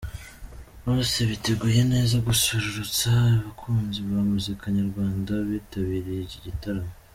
Bose biteguye neza gususurutsa abakunzi ba muzika nyarwanda bitabiriye iki gitaramo.